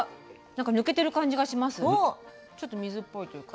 ちょっと水っぽいというか。